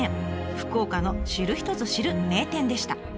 福岡の知る人ぞ知る名店でした。